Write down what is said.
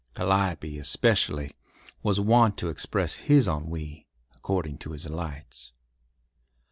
Calliope, especially, was wont to express his ennui according to his lights.